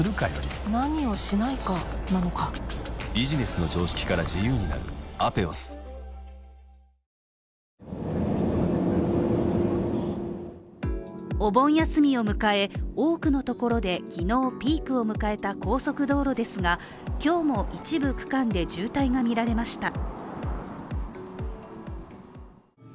その影響が行楽地やイベントにもお盆休みを迎え、多くのところで昨日ピークを迎えた高速道路ですが今日も一部区間で渋滞が見られました。